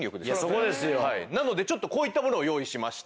なのでちょっとこういったものを用意しました。